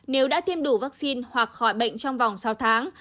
nếu đã tiêm đủ vaccine hoặc khỏi bệnh trong vòng sáu tháng